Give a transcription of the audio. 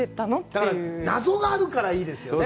だから謎があるからいいですよね。